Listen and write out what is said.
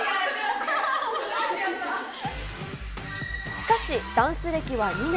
しかし、ダンス歴は２年。